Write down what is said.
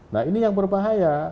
nah ini yang berbahaya